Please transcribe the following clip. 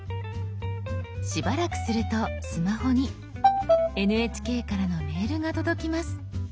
しばらくするとスマホにＮＨＫからのメールが届きます。